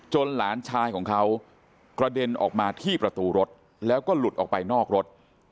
หลานชายของเขากระเด็นออกมาที่ประตูรถแล้วก็หลุดออกไปนอกรถ